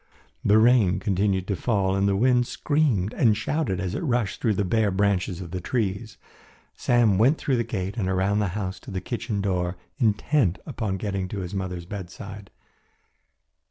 The rain continued to fall and the wind screamed and shouted as it rushed through the bare branches of the trees. Sam went through the gate and around the house to the kitchen door intent upon getting to his mother's bedside.